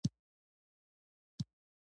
دوستانو ته مې د بیا راتلو ژمنه وکړه.